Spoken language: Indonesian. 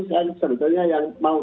saya sebenarnya yang mau